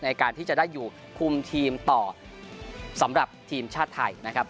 ในการที่จะได้อยู่คุมทีมต่อสำหรับทีมชาติไทยนะครับ